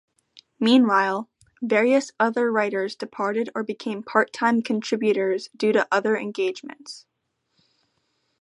Meanwhile, various other writers departed or became part-time contributors due to other engagements.